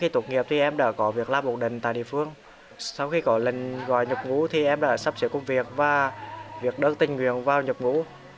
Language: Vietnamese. trong số chiến sĩ mới nhập ngũ em đã sắp xếp công việc và việc đơn tình nguyện vào nhập ngũ